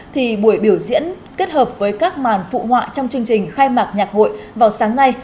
thì buổi biểu diễn kết hợp với các màn phụ họa trong chương trình khai mạc nhạc hội vào sáng nay